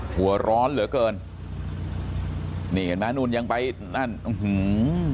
หัวร้อนเหลือเกินนี่เห็นไหมนู่นยังไปนั่นอื้อหือ